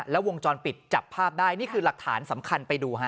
แล้ววงจรปิดจับภาพได้นี่คือหลักฐานสำคัญไปดูฮะ